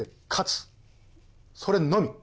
それのみ。